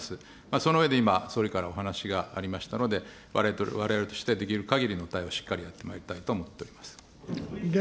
その上で今、総理からお話がありましたので、われわれとしては、できるかぎりの対応をしっかりやってまいりたいと思っております。